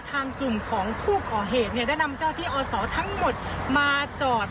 ทางสุ่มของผู้กอเหตุได้นำเจ้าที่อ่อนสอดทั้งหมดมาจอด